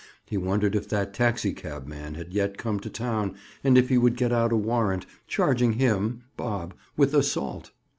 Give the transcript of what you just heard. He wondered if that taxicab man had yet come to town and if he would get out a warrant, charging him (Bob) with assault?